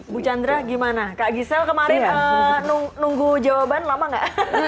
bu chandra gimana kak gisel kemarin nunggu jawaban lama gak